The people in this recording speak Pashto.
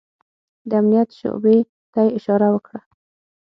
د امنيت شعبې ته يې اشاره وکړه.